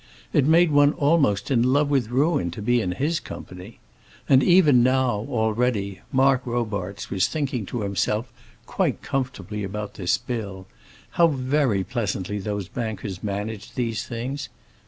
It made one almost in love with ruin to be in his company. And even now, already, Mark Robarts was thinking to himself quite comfortably about this bill; how very pleasantly those bankers managed these things.